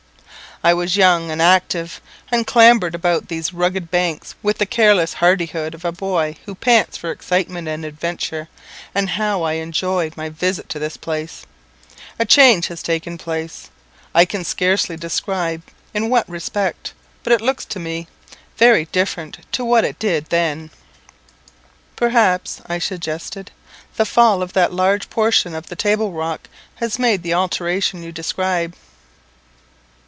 I was young and active, and clambered about these rugged banks with the careless hardihood of a boy who pants for excitement and adventure, and how I enjoyed my visit to this place! A change has taken place I can scarcely describe in what respect; but it looks to me very different to what it did then." "Perhaps," I suggested, "the fall of that large portion of the table rock has made the alteration you describe."